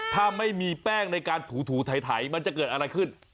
ถ้าไม่มีแป้งในการถูไถมันจะเกิดอะไรขึ้น